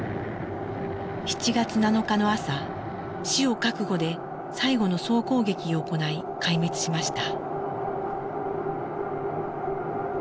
７月７日の朝死を覚悟で最後の総攻撃を行い壊滅しました。